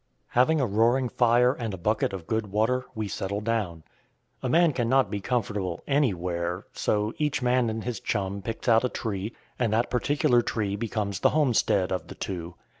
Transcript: Having a roaring fire and a bucket of good water, we settle down. A man cannot be comfortable "anywhere;" so each man and his "chum" picks out a tree, and that particular tree becomes the homestead of the two.